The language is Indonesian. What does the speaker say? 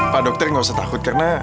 pak dokter gak usah takut karena